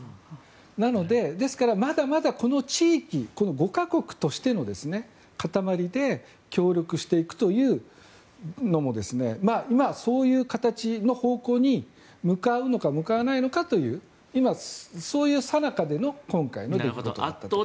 なので、まだまだこの地域、５か国としての塊で協力していくというのも今、そういう形の方向に向かうのか向かわないのかというさなかでの今回のことだと。